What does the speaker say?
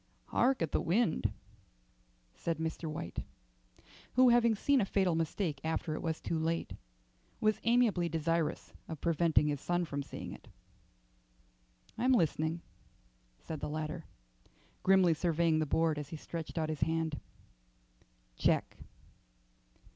"Hark at the wind," said Mr. White, who, having seen a fatal mistake after it was too late, was amiably desirous of preventing his son from seeing it. "I'm listening," said the latter, grimly surveying the board as he stretched out his hand. "Check."